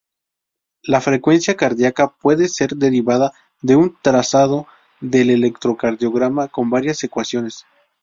La frecuencia cardíaca puede ser derivada de un trazado del electrocardiograma con varias ecuaciones.